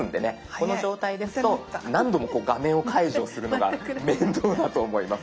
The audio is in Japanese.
この状態ですと何度も画面を解除するのが面倒だと思います。